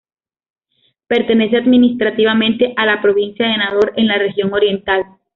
Pertenece administrativamente a la provincia de Nador, en la región Oriental.